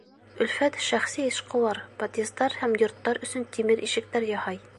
Өлфәт — шәхси эшҡыуар, подъездар һәм йорттар өсөн тимер ишектәр яһай.